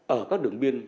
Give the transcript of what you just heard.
ở các đường biên